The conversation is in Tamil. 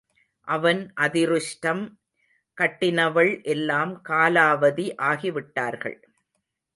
அவன் அதிருஷ்டம் கட்டினவள் எல்லாம் காலாவதி ஆகிவிட்டார்கள்.